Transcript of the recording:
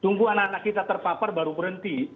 tunggu anak anak kita terpapar baru berhenti